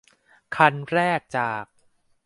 คันแรกจาก